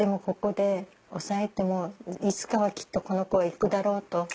ここでおさえてもいつかはきっとこの子は行くだろうと。